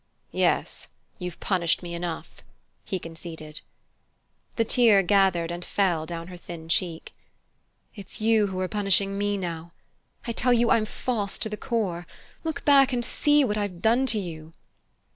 "Yes, you've punished me enough," he conceded. The tear gathered and fell down her thin cheek. "It's you who are punishing me now. I tell you I'm false to the core. Look back and see what I've done to you!"